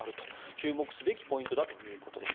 注目すべきポイントだということです。